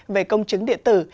về công chứng điện tử